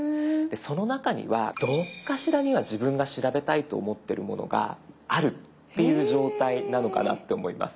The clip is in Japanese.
その中にはどっかしらには自分が調べたいと思ってるものがあるっていう状態なのかなって思います。